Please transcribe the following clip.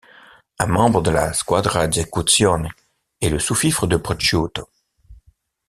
Un membre de la Squadra Esecuzioni et le sous-fifre de Prosciutto.